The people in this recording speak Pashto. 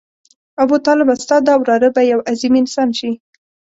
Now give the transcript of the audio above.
ابوطالبه ستا دا وراره به یو عظیم انسان شي.